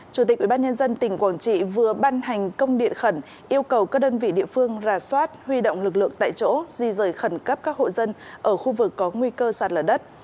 chủ tịch ubnd tỉnh quảng trị vừa ban hành công điện khẩn yêu cầu các đơn vị địa phương ra soát huy động lực lượng tại chỗ di rời khẩn cấp các hộ dân ở khu vực có nguy cơ sạt lở đất